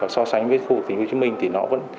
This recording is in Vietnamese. so sánh với khu tỉnh hồ chí minh thì nó vẫn